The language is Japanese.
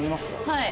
はい。